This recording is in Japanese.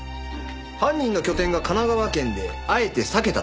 犯人の拠点が神奈川県であえて避けたとか。